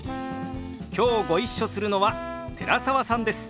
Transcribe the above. きょうご一緒するのは寺澤さんです。